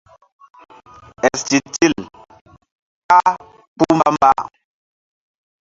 Éstitil kpah kpuh mbamba.